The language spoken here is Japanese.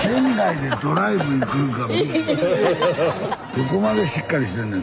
どこまでしっかりしてんねん。